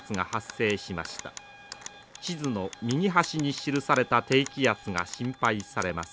地図の右端に記された低気圧が心配されます。